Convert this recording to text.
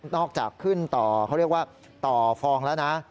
จากขึ้นต่อเขาเรียกว่าต่อฟองแล้วนะ